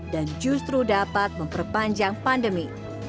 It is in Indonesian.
dan justru dapat memperpanjang pandemi